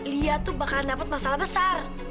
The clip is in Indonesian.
lia tuh bakalan dapet masalah besar